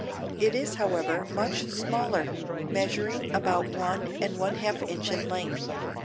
It is, however, much smaller, measuring about one and one half inch in length.